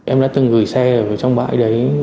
em đã từng gửi xe ở trong bãi đấy